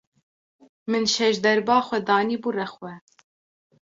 Min şejderba xwe danî bû rex xwe.